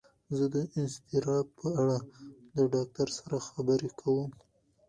زه د اضطراب په اړه د ډاکتر سره خبرې کوم.